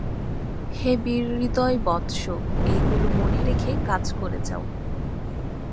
হে বীরহৃদয় বৎস, এইগুলি মনে রেখে কাজ করে যাও।